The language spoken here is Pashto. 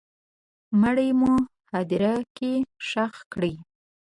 مړی مو هدیره کي ښخ کړی